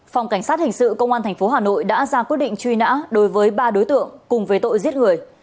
phòng cảnh sát hình sự công an tp hà nội đã ra quyết định truy nã đối với ba đối tượng cùng với tội giết người